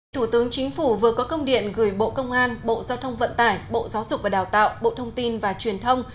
thủ tướng chính phủ vừa có công điện gửi bộ công an bộ giao thông vận tải bộ giáo dục và đào tạo bộ thông tin và truyền thông